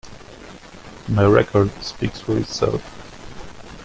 My record speaks for itself.